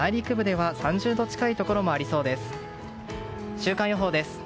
週間予報です。